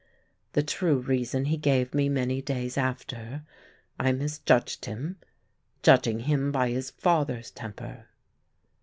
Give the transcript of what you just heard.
The true reason he gave me many days after. I misjudged him, judging him by his father's temper.